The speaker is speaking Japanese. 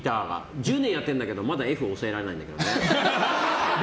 １０年やってるけどまだＦを押さえられないけどね。